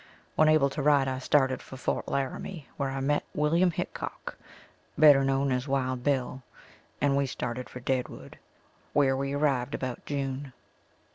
When able to ride I started for Fort Laramie where I met Wm. Hickock, better known as Wild Bill, and we started for Deadwood, where we arrived about June.